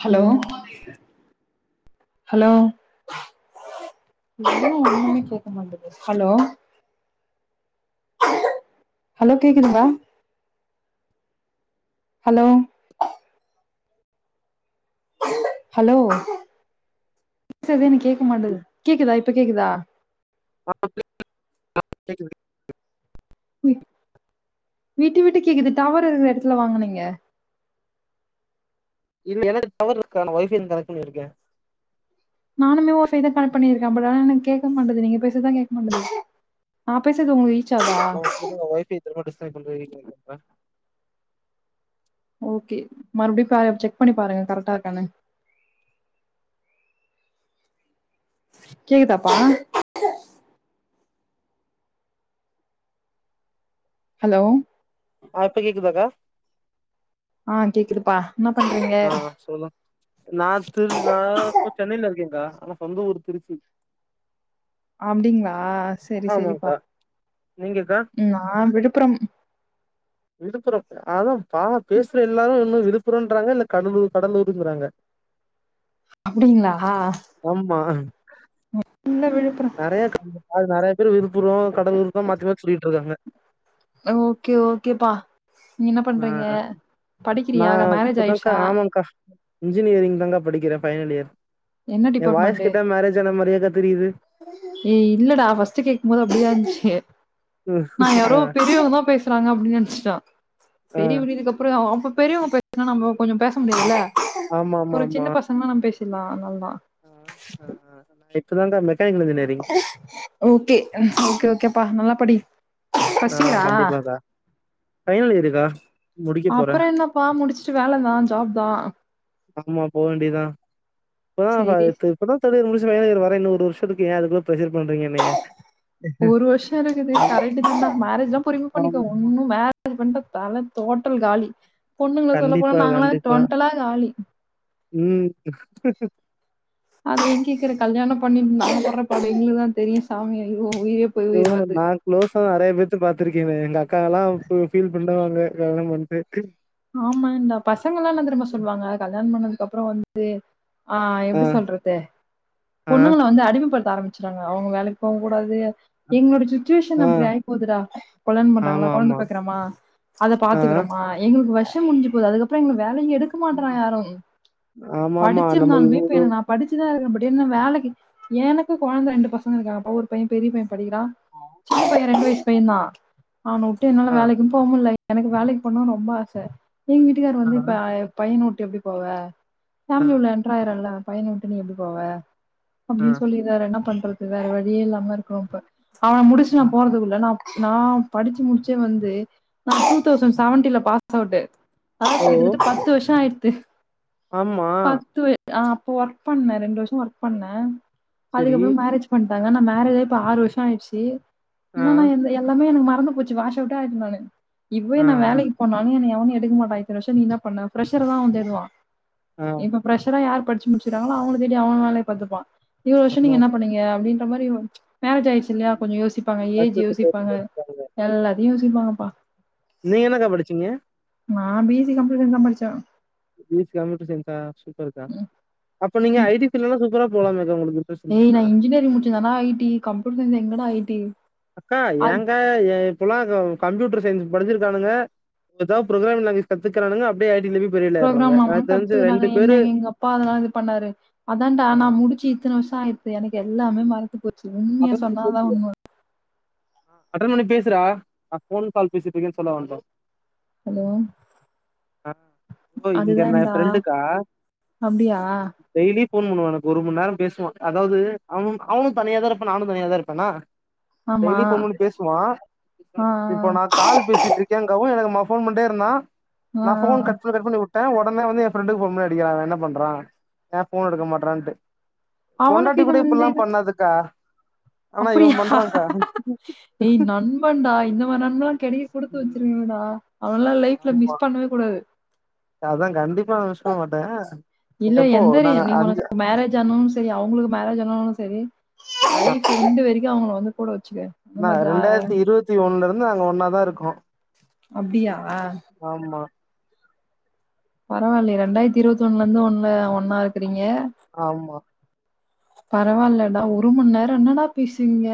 Hello hello [unintelligible] ஒன்னுமே கேட்க மாட்டது ஹலோ ஹலோ கேக்துங்களா ஹலோ ஹலோ [inaudible] கேக் கமாட்டுது கேக்குதா இப்ப கேக்குதா [inaudible] விட்டு விட்டு கேக்குது டவர் இருக்கற இடத்துல வாங்க நீங்க இல்ல எனக் டவர் இருக்கு நா ஒய்ஃவை கனெட் பண்ணியிருக்கே நானுமே ஒய்ஃபை தா கனெட் பண்ணிருக்கே ப்ரோ ஆனா எனக்கு கேட்க மாட்டது நீங்க பேசுதா கேட்க மாட்டது நா பேசுது உங்க [unintelligible] வைஃபை திரும்ப டிஸ்கனட் [unintelligible] ஆ ஓக்கே மறுபடி பாய செக் பண்ணி பாருங்க கரெக்டா இருக்கானு கேக்குதாப்பா ஹலோ ஆ இப்ப கேக்குதாக்கா ஆஹ் கேக்குதுப்பா என்ன பண்றீங்க ஆஹ் சொல்லு நா [unintelligible] இப்போ சென்னையில இருக்கேங்கா ஆனா சொந்த ஊரு திருச்சி அப்படிங்களா ஆஹ் சரி சரிப்பா ஆமாக்கா நீங்கக்கா உம் நா விழுப்புரம் விழுப்புரம் அதா பா பேசுற எல்லாரு இன்னு விழுப்புரோ ன்றாங்க இல்ல கடலூர் கடலூருங்கறாங்க அப்படிங்களா இல்ல விழுப்புரம் நறைய நறை ர் விழுப்புரோ கடலூர் தா மாத்தி மாத்தி சொல்லிட்டு இருக்காங்க ஓகே ஓகேப்பா நீ என்ன பண்றீங்க ஆ நா படிக்கிறியா இல்ல மேரேஜ் இப்பதாக்கா ஆயிடுச்சா ஆமாக்கா இன்ஜினியரிங் தாங்க படிக்கிற ஃபைனல் இயர் என்ன எ வாய்ஸ் டிபார்ட்மெண்ட கேட்டா மேரேஜ் ஆன மாரியேக்கா தெரியுது ஏ இல்லடா ஃப்ர்ஸ்ட் கேக்கும் போது அப்படி தான் இருந்துச்சு நா ஆ யாரோ பெரியவங்க தா பேசுறாங்க அப்படின்னு நினைச்சிட்டோ ஆ சேரி விடு இதுக்கப்ரோ அப்ப பெரியவங்க பேசனா நம்ம கொஞ்சோ பேச முடியாதுல ஒரு சின்ன பசங்கனா நம் பேச் திலான் ஆஹ் ஆஹ் ஹ் [unintelligible] ஓகே ஓகே ஓகேப்பா நல்லா படி ஃபர்ஸ்ட் ஆஹ் இயரா கண்டிப்ப அக்க பைனல் இயரு கா அப்பரம் என்னப்பா முடிச்சுட்டு வேல தா ஜாப் தா ஆமா போ வேண்டியதா இப்பதா சேரி த இப்பதா தேர்டியர் முடிச் தேடியர் வர இன்னொ ஒரு வருஷத்துக்கு ஏ அதுக் ப்ரஷர் பன்றீங்க என்னைய ஆம் மேரேஜ்ல்லா பொறுமியா பண்ணிக்கோ ஒன்னு மேரேஜ் பண்ட்டா தல தோ டோட்டல் காலி பொண்ணுங்கள சொல்ல போனா கண்டிப்பா, நாங்களா டொன்ட்டலா காலி உம் அத ஏ கேக்குற கல்யாணம் பண்ணிட்டு நாங்க பட்ர பாடு எங்குளுக்குதா தெரியு சாமி ஐயோ உயிரே போய் போ உயிர் வருது நா க்ளோஸா நெறையப்பேத் பாத்துருக்கேனே எங்க அக்காலா ஃபீல் பண்ணுவாங்க கல்யாணம் பண்ட்டு ஆமாண்டா பசங்களா என்ன தெரியுமா சொல்லுவாங்க கல்யாணம் பண்ணது க்கப்புறம் வந்து ஆஹ் ஆ, எப்டி சொல்ரது ஆ, பொண்ணுங்கள வந்து அடிமப்படுத் ஆரம்பிச்டாங்க அவங்க வேலைக்கு போ கூடாது எங்களோட சுச்சுவேஷன் ஆ. அப்படி ஆயி போதுடா கொல்யாணம் ஆமா, பண்றாங்களா கொழந்த ஆமா. பெக்குரோமா அத ஆ. பாத்துக்கரமா உங்குளுக்கு வருஷம் முஞ்சு போது அதுக்கப்புறோ எங்களுக் வேலையு எடுக்க மாட்ராங்க யாரு ஆமாமா. நம்ம படிச்சிருந்தாலுமே இப்ப இவ்ளோ நா படிச்சுதா இருக்கே பட் என்ன வேலைக்கு எனக்கு கொழந்த ரெண்டு பசங்க இருக்காங்கப்பா ஒரு பையன் பெரிய பையன் படிக்கிறா சின்ன பையன் ரெண்டு வயசு பையன் தா அவன வுட்டு என்னால ஆ, ஆ, வேலைக்கும் போமுல்ல எனக்கு வேலைக்கு போனுன் ரொம் ரொம்ப ஆச எங்க வீட்டுக்கார் ஆ, வந்து இப்ப பையன் எப்டி போவ ஆ, ஃபேமிலி உள்ள என்ட்ராயிரோல பையன விட்டு நீ எப்படி போவ ஆ. அப்டின் சொல்லிராரு என்ன பண் அது வேற வழியே இல்லாம இருக்றோ இப்ப அவன முடிச்சுட்டு நா ம். போறதுக்குள்ள நா நா படிச்சு முடிச்சே வந்து நா டூ தவுசண்ட் செவன்ட்டீன்ல சௌண்டு ஆயா, ஓ! கிட்டதட்ட பத்து வருஹோ ஆய தே ஆமா ஆஹ் அப்ப ஒர்க் பண்ண ரெண்டு வருஷ ஒர்க் பண்ண சரி. அதுக்கப்ரோ மேரேஜ் பண்ற அங்க ந மேரேஜ் ஆய் இப்ப ஆறு வருஷ ஆய்ச்சு ஆ, என்ன நா எல்லாமே எனக்கு மா ஒன்னு பூச்சு வாஷ் அவுட்டா நானு இப்பவே ஆ, நா ஆ, வேலைகு இனிமே எவனு எடுக்கமாட்டா இத்தன வருச நீ என்ன பண்ண ஃப்ஷர் அதா அவ தேடுவா ஆ. இப்ப ஃப்ரெஷரா யார் பட்ச்சி முட்ச்சிடவங்களா அவுங்களே தேடி அவன் வேலய பாத்துப்பா இவ்ள வருஷ ஆமா. நீங்க என்ன பண்ணீங்க அப்டின்னு இந்த மாரி ச்சி மேரெஜ் ஆயிருச்சிலயா கொஞ்சோ யோசி ப்பாங்க ஏஜ் யோசிப்பாங்க எல்லாத்தியு யோசி விவாம்பா நீங்க என்னக்கா படிச்சிங்க நா பி எஸ் சி கம்ப்யூசைன் தா படிச்ச பி எஸ் சி கம்யூட்ர்சைன்ஸா சூப்பர்கா அப் இப்ப நீங்க ம். ஐ டி ஃபீல்டுலலா சூப்பரா போலாமல்லக்கா உங்ளுக்கு ஏய் நா இன்ஞ்னியரிங் முடிச்சிருந்தனா ஐ டி கம்யூட்டர்சைன்ஸ் எங்கடா ஐ டி அக்கா ஏங்க ஏ இப்பலா க கம்யூட்டர்சைன்ஸ் படிச்சிருக்கானுங்க எதோ புரோகிராம் நாலேஜ் கத்துக்கரானுங்க அப்டியே ஐ ப்ரோக்ராம் அவுங்களா கத்துக்கறாங்க என்ன பேரு எங்க அப்பா அதெல்லா இது பண்ணாரு அதான்டா ஆ நா முடிச்சு இத்தன வருஷ ஆயிறுத்து எனக்கு எல்லாமே மறந் து போச்சு உண்மிய அட்டெண்ட் பண்ணி சொன்னா அதா பேசுறியா? உண்ம ஆ அட்டெண்ட் பண்ணி பேசுடா. நான் ஃபோன் கால் பேசிட்டு இருக்கேன்னு சொல்ல வந்தேன். ஹலோ ஆ. ஓ! இங்க என் அதுதான்டா ஃப்ரெண்டுக்கா. அப்டியா டெய்லி ஃபோன் பண்ணுவா எனக்கு ஒருமண் நேர பேசுவா அதாவ்து அவ அவனு தனியாதா இருப்பா நானு தனியாதா இருப்பனா ஆமா டெய்லி ஃபோன் பண்ணி பேசுவா ஆ இப்ப நா ஆ கால் பேசிட்ருக்கேங்கவு ஃபோன் பண்ட்டே இருந்தா ஆ நா ஆ ஃபோன் கட் பண்ணி கட் பண்ணி உட் ட ஒடனே வந்து எ ஃப்ரெண்டுக்கு ஃபோன் பண்ணி அடிக்கிறா அவ என்ன பண்றா ஏ ஃபோன் எடுக்க மாட்றான்ட்டு அவனுக்கு பொண்டாட்டி இது கூட வந்து இப்புல்லா இது பண்ணாதுக்கா ஆனா இவ பண்றாங்க்கா ஏ நண்பன்டா இந்த மாரி நண்பன்லா கெடைக்க குடுத்து வெச்சிருக்கனுன்டா அவன்லா லைஃப்ல ஆமா மிஸ் பண்ணுவே கூடாது அதா கண்டிப்பா நா மிஸ் பண்ண மாட்டே இல்ல எப்போ எந்த ரி நாங்க நீ அஞ்சு ஒனக்கு மேரேஜ் ஆனு செரி அவுங்குளுக்கு மேரேஜ் ஆனனு செரி ஆ லைஃப் எண்டு வரிக்கு அவுங்குள கூட வெச் நா ரெண்டாயிரத்தி இருவத்தி ஒன்ல இரு ந்து நாங்க ஒன்னாதா இருக்கோ அப்டியா ஆமா பரவால்லயே ரெண்டாயிரத்தி இருவத்தி ஒன்ல இருந்து ஒன்ன ஒன்னா இருக் கீங்க ஆமா பரவா இல்லடா ஒரு மண்நேரோ என்னடா பேசுவிங்க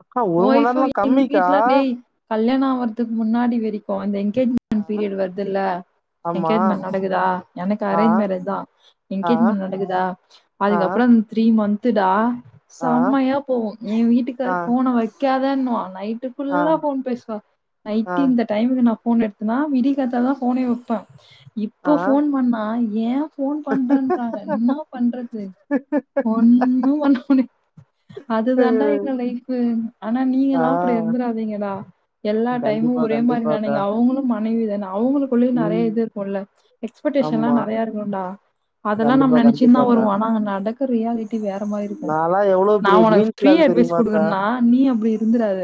அக்கா ஒரு மண் நேர்ம்லா கம்மிக்கா கல்யாண் ஆவர்துக் முன்னாடி வெரிக்கு அந்த இன் என் மென் பீரியட் வருதுர்ல்ல ஆமா என்கேஜ்மென் நடக்குதா எனக்கு ஆ அரேஞ்ச் மேரேஜ் தா ஆ என்கேஜ்மென் நடக்குதா ஆ அதுகப் த்ரீ மந்துடா ஆ செம்மையா போவோ என் வீட்டுக்காரு ஆ ஃபோன வைக்காதன் வான் நைட்டு ஆ ஃபுல்லா ஃபோன் பேஸ்வா ஆ நைட்டு இந்த டைமு நா ஃபோன் எடுத்துனா விடிக்காத்தாதா ஃபோனே ப்ப இப்போ ஆ ஆ ஃபோன் பண்ணா ஏ ஃபோன் பண்றன்றாங்க ன்னா பண்றது ஒன்னு பண்ண முடி அது தாண்டா எங்க லைப்ஃபு ஆனா நீங்கெலா அப்புடி இருந்துராதீங்கடா எல்லா டைமு கண்டிப்பா ஒரே மாரி கண்டிப்பாக்கா நானையு அவுங்குளு மனைவி தானா அவுங்குளுக்குள்ளுயு நறைய ம் இது இருக்குல்ல எக்ஸ்பெக்டேஷன் எல்லா ஆமா நெறையா இருக்கும்டா அதெல்லா நம்ம கண்டிப்பா நெனைச்சின் தா கண்டிப்பாக்கா வருவோ ஆனா அங்க நட ரியாலிட்டி வேற மாயி இருக்கும் நாலா எவ்ளோ நா பெரிய ஒனக்கு கிரீன் ஃப்ரீ ஃபிளாக் அட்வைஸ் தெரியுமாக்கா குடுக்கனா நீ அப்டி இருந்துராத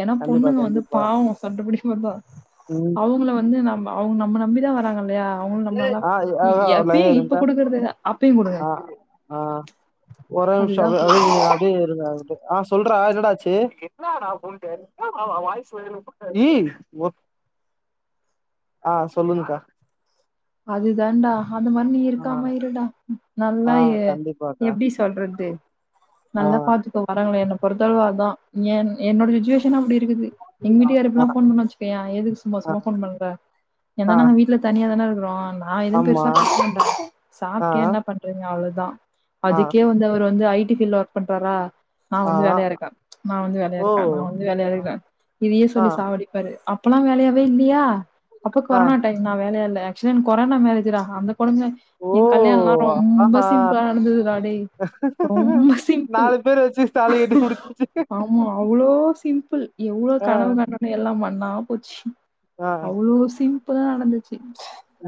ஏனா கண்டிப்பா பொண்ணுங்க வந்து கண்டிப்பா பாவம் சொண்டபடி வந்தா ம் அவங்கள வந்து நம்ம அவங்க நம்மள நம்பி வராங்க இல்லையா அவங்களு நம்மளாலா ஆ ஆ எ ஒரு எப்பயு லைன்ல இப்ப இருங்கக்கா குடுக்குறது அப்பயு குடுங்க ஆ ஆ ஒரே நிமிஷம் அப் அதுதான் அப்டியே பு- நீங்க அப்டியே இருங்க அது மட்டு ஆ சொல்றா என்னடாச்சு ஆ சொல்லுங்கக்கா அது தாண்டா அந்த மாரி நீங்க ஆ இருக்காம இருடா ஆ நல்லாய கண்டிப்பாக்கா எப்டி சொல்றது ஆ நல்லா பாத்துக்கோ வரங்களே என்ன பொறுத்தளவு அதான் என் என்னோட சுச்சுவேஷனு அப்டி இருக்குது எங்க ஆ வீட்டுக்கார் இப்பலா ஃபோன் பண்ண வச்சுக்கையா எதுக்கு சும்மா ஆ சும்மா ஃபோன் பண்ற ஆ ஏனா நாங்க வீட்டுல தனியா தான இருக் ஆ நா எதுவும் ஆமா பெருசா பண்றே ஆ சாப்டியா என்ன பண்றீங்க அவ்வளோ தா ஆ அதுக்கே வந்து அவர் வந்து ஐ டி ஃபீல ஒர்க் பண்றாரா நா ஆ வந்து வேலையாருக்கேன் நா வந்து ஓ வேலையாருக்கேன் நா வந்து வேலையாருக்கறேன் இதையே ஆ சொல்லி சாவடிப்பாரு அப் இப்பல்லா வேலையாவே இல்லையா அப்ப ஆ கொரோனா டைம் நா வேலையா இல்ல ஷின் கொரோனா மேரேஜ்ரா அந்த கொழுந்தன் ஓ என் கல்யாணம் எல்லா ரொம்ப ஆஹா சிம்பிளா நடந்துது ராடே ரொம்ப சிம்பிள் நாலு பேர் வச்சு தாலி கட்டி முடிச்சிச்சு ஆமா அவ்வளோ சிம்பிள் எவ்வளோ ஆ கனவு கண்டனு எல்லா ம நா புச்ச ஆ அவ்ளோவ் சிம் இப்ப தா நடந்துச்சு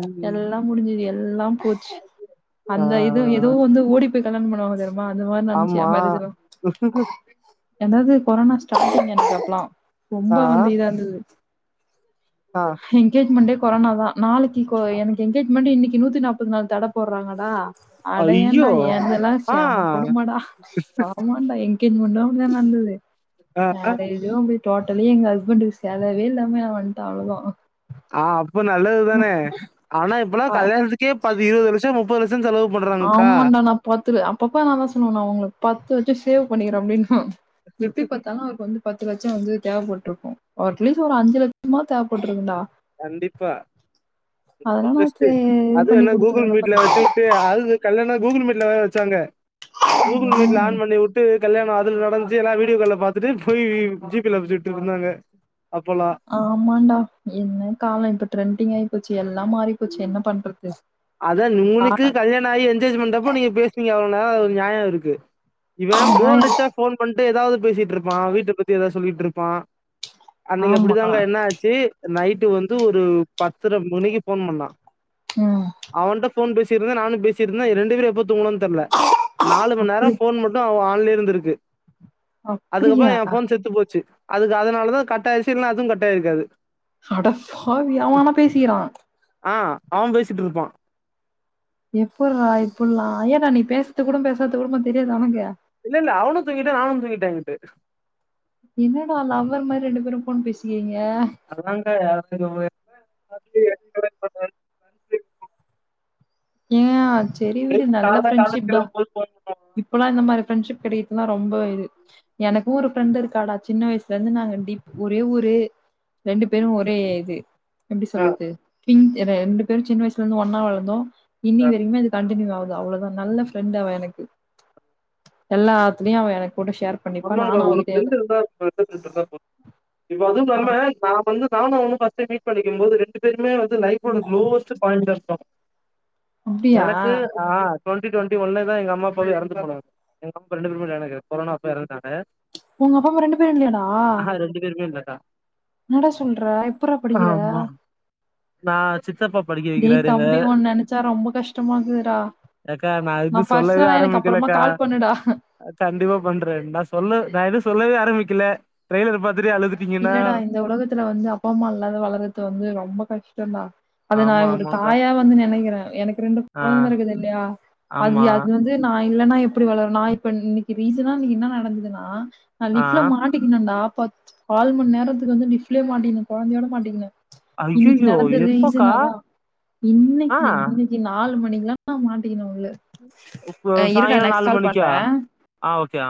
ம் எல்லா முடிஞ்சுது எல் எல்லாம் போச்சு ஆ அந்த இதுவு ஏதோ வந்து ஓடி கடன் பணுவாங்க தோரா ஆமா ஏதாவது கொரோனா ஸங்க எனக்கு அப்புலாம் ரொம்ப ஆ வந்து இதா இருந்தது ஆ எனங்கேஜ்மெண்டே கொரோனா தான் நாளைக்கு எனக்கு எனங்கேஜ்மெண்ட் இன்க்கு நூத்தி நாற்பது அடையன்டா ஐயோ ஏந்தெல்லாம் ஆ சாம குடும்மாடா ஆமாடா எங்கேஸ்மென்ட் அப்படிதா நடந்தது ஆ [unintelligible] டோட்டலி எ ஹஸ்பெ்டுக்கு செலவே இல்லாமே நான் வந்துட்டு அவ்வளதான் ஆ ஆஹ் இப்ப நல்லது தானே ஆனா இப்பாம் கல்யாணத்துக்கே பதி இருபது லட்சம் முப்பது லட்சோ செலவு பண்றாங்கக்கா ஆமாடா நான் பத்து அப்பப்ப நான் தான் சொல்லுவேன் நான் உங்களுக்கு பத்து சேவ் பண்ணிக்கோம் அப்படின்னா எப்படி பார்த்தாலும் அவருக்கு வந்து பத்து லட்சம் கு வந்து தேவைப்பட்ருக்கு அட்லீஸ்ட் ஒரு அஞ்சு லட்சமாது தேவப்பட்ருக்குண்டா கண்டிப்பா ரொம்ப அதெல்லா நா பெஸ்ட்டு சே இது அது பண்ணி என்ன கூகுள் குடுத்துக்கறேன்டா மீட்ல பத்து வச்சுக்கட்டு அது கல்யாணம் கூகுள் மீட்ல வேற வச்சாங்க கூகுள் மீட்ல லட்சோ ஆன் பண்ணி விட்டு கல்யாண நடந்துச்சு எல்லா வீடியோ கால்ல பாத்துட்டு போய் ஜி பே ல வச்சுட்டு இருந்தாங்க ஆமாண்டா என்ன கால இப்போ ட்ரெண்டிங் ஆயி போச்சு எல்லா மாறி போச்சு என்ன பண்றது அதான் நுங்ளுக்கு கல்யாண ஆயி என்ஜேஜ் பண்றப்போ நீங்க பேசுனிங்க அவ் லா ஒரு நியாய இருக்கு இவ போர் அடிச்சா ஃபோன் பண் ஏதாவது பேசிட்டு இருப்பான் வீட்டை பத்தி ஏதாவது சொல்லிட்டு இருப்பான் அன்னைக்கு ஆமா அப்படிதாங்க என்ன ஆச்சு நைட்டு வந்து ஒரு பத்தரை மணிக்கு ஃபோன் பண்ணா உம் ஃபோன் பேசிட்ருந்தன் நானு பேசிட்ருந்தன் ரண்டு பேரு எப்ப தூங்குணோ தெர்ல நாலு மணி அப்டி நேரம் ஃபோன் மட்டும் அவ ஆ இருந்திருக்கு அதுக்கப்புற அப்டியா எ ஃபோன் செத்து போச்சு அதுக்கு அதனாலதா கட்டாயச்சி இல்லனா அதுவு கட்டாயிருக்காது அடப்பாவி அவனா பேசிறா ஆஹ் அவம்பேசி ண்ட்ருப்பா எப்புட்றா இப்புல்லா ஏன்டா நீ பேசது கூடோ பேசாது கூடுமா தெரியாது அவிங்கு இல்ல இல்ல அவனு தூங்கிட்டா நானும் தூங்கிட்டே இங்கிட்டு என்னடா லவ்வர் மாரி ரெண்டு பேரும் ஃபோன் பேசிகிரிங்க அதலா கெடையாது [unintelligible] [inaudible] ஏன் செரி விடு நல்ல கால்ல காலேஜ் ஃப்ரெண்ட்ஷிப் டா கெளம்பும்போது ஃபோன் பண்ணுவாங்க இப்பல்லா இந்த மாரி ஃப்ரெண்ட்ஷிப் கடி த்னா ரொம்ப இது எனக் ஒரு ஃப்ரெண்டு் இருக்காடா சின்ன வயசுல இருந்து நாங்க டிப் ஒரே ஊரு ரெண்டு பேரு ஒரே இது எப்டி சொல்றது பிங்க் இது ரெண்டு பேரும் சின்ன வயசுல இருந்து ஒன்னா வளந்தோ இன்னி ஆ வரைக்குமே அது கண்டினியூ ஆகுது அவ்ளோதா நல்ல ஃப்ரெண்ட் அவ எனக்கு எல்லாத்துலயும் அவ எனக் சொன்னாங்க உங்ளுக்கு ஃப்ரெண்டு இருந்தா, பெஸ்ட் ஃப்ரெண்டு இருந்தா போது இப்ப அதும் ஆ [unintelligible] வந்து நானு அவனு ஃபஸ்டே மீட் லைஃபோட குலோஸ்ட் பாயிண்ருப்பாங்க அப்டியா எனக்கு ஆஹ் டுவெண்டி டுவெண்டி ஒன்ல தான் எங்க அம்மாப்பா எறந்து போனாங்க அப்ப ரெண்டு பேருமே ஜாயினா கொரனா ப்பயிரதுடாங்க உங்க அப்பாமா ரெண்டு பேரும் இல்லையாடா தா என்னடா சொல்ற எப்புறா படிக்கிற ஆமா நா சித்தப்பா படிக்க டேய் வைக்கிறாரு எங்க தம்பி ஒன்ன நெனச்சா ரொம்ப கஷ்டமா இருக்குதுடா அக்கா நா எது சொல்லவே பர்சனலா எனக்கு அப்பறமா ஆரம்பிக்கலக்கா கால் பண்ணுடா கண்டிப்பா பண்றே நா சொல்லவே நா எது சொல்லவே ஆரம்பிக்கல டிரைலர் பாத் இல்லடா இந்த உலகத்துல வந்து அப்பாம்மா இல்லாது வளறது வந்து ரொம்ப கஷ்ட ஸ்டோன்டா அது நா ஆமா ஒரு ஆமாக்கா தாயா வந்து நெனைக்கிறே எனக்கு ரெண்டும் ஆ கொழந்த இருக்குது இல்லையா அது ஆமா அது வந்து நா நா இல்லன்னா எப்டி வளரும் நா இப்ப இன்னிக்கு ரீசனா இன்னிக்கு என்ன நடந்ததுன்னா நா ஆ லிஃப்ல மாட்டிக்கின்னொடா பத்து கால் மணி நேரத்துக்கு வந்து லிஃப்லயே மாட்டிங்னே கொழந்தையோட மாட்டிங்னே இன்னிக்கு ஐய்யய்யோ நடந்த ரீசன் எப்பக்கா அதா ஆ இன்னைக்கு இன்னைக்கு நாலு மணிக்கு லர்தா மாட்டிக்ணு உள்ள இப்போ அ இருடா சாய்ங்காலோ நெக்ஸ்ட் நாலு கால் பண்றேன். மணிக்கா ஆ ஓகே